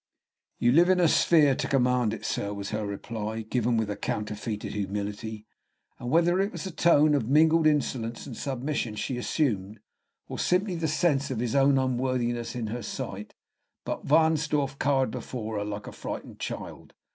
"You live in a sphere to command it, sir," was her reply, given with a counterfeited humility; and whether it was the tone of mingled insolence and submission she assumed, or simply the sense of his own unworthiness in her sight, but Wahnsdorf cowered before her like a frightened child.